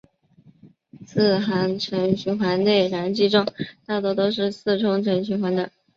四行程循环内燃机中大多都是四冲程循环的。